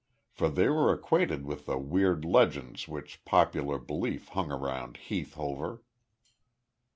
For they were acquainted with the weird legends which popular belief hung around Heath Hover.